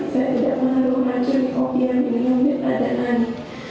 saya tidak mengaruh mancur di kopi yang di minumnya ada nadi